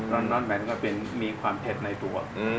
ร้อนหมายถึงว่ามีความเผ็ดในตัว